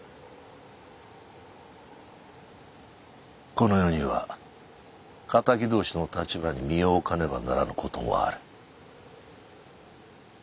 この世には敵同士の立場に身を置かねばならぬ事もある。